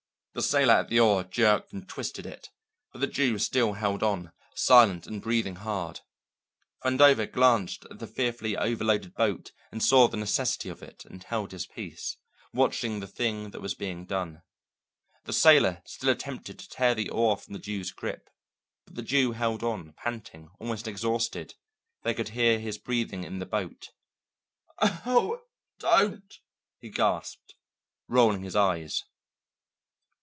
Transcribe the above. The sailor at the oar jerked and twisted it, but the Jew still held on, silent and breathing hard. Vandover glanced at the fearfully overloaded boat and saw the necessity of it and held his peace, watching the thing that was being done. The sailor still attempted to tear the oar from the Jew's grip, but the Jew held on, panting, almost exhausted; they could hear his breathing in the boat. "Oh, don't!" he gasped, rolling his eyes.